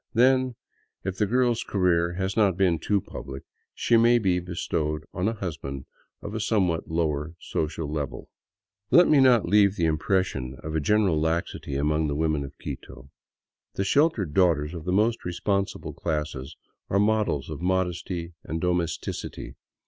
Then, if the girl's career has not been too public, she may be bestowed on a husband of a somewhat lower social level. Let me not leave the impression of a general laxity among the women of Quito. The sheltered daughters of the most responsible classes are models of modesty and domesticity.